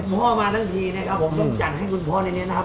พ่อมาทั้งทีนะครับผมต้องจัดให้คุณพ่อในนี้นะครับ